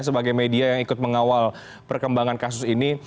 sebagai media yang ikut mengawal perkembangan kasus ini